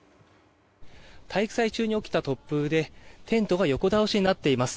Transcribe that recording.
体育祭中に起きた突風でテントが横倒しになっています。